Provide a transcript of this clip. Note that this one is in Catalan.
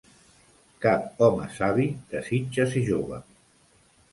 Cap home savi desitja ser jove.